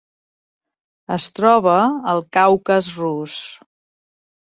Es troba al Caucas rus.